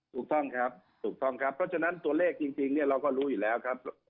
ถูกต้องครับถูกต้องครับเพราะฉะนั้นตัวเลขจริงเนี่ยเราก็รู้อยู่แล้วครับ